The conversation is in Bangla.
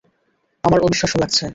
আমার অবিশ্বাস্য লাগছে।